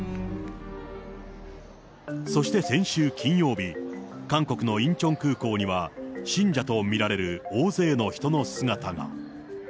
そして先週金曜日、韓国のインチョン空港には、信者とみられる大勢の人の姿が。